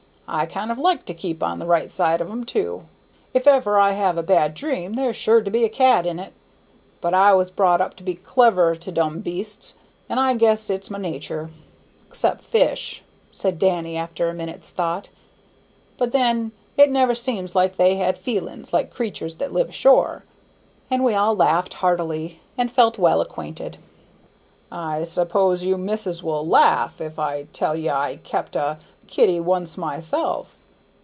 I kind of like to keep on the right side of 'em, too; if ever I have a bad dream there's sure to be a cat in it; but I was brought up to be clever to dumb beasts, an' I guess it's my natur'. Except fish," said Danny after a minute's thought; "but then it never seems like they had feelin's like creatur's that live ashore." And we all laughed heartily and felt well acquainted. "I s'pose you misses will laugh if I tell ye I kept a kitty once myself."